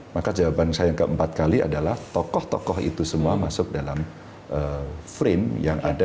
maka jawaban saya yang keempat kali adalah tokoh tokoh itu semua masuk dalam frame yang ada